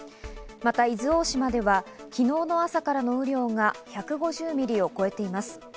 また伊豆大島では昨日の朝からの雨量が１５０ミリを超えています。